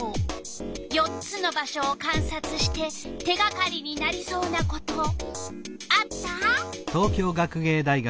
４つの場所をかんさつして手がかりになりそうなことあった？